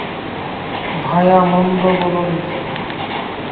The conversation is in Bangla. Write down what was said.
ভায়া, মন্দ বল নি।